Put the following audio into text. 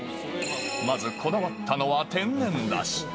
まずこだわったのは天然だし。